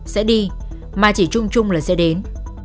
sẽ đi mà chỉ chung chung là sẽ đến